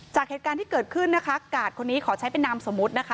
จากเหตุการณ์ที่เกิดขึ้นนะคะกาดคนนี้ขอใช้เป็นนามสมมุตินะคะ